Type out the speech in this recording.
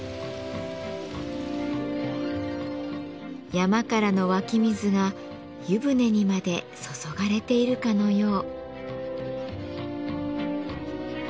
山からの湧き水が湯船にまで注がれているかのよう。